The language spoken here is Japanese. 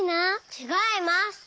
ちがいます。